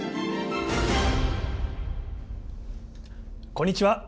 こんにちは。